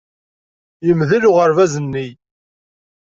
Yemdel uɣerbaz-nni.